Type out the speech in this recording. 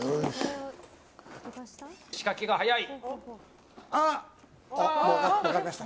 仕掛けが早い。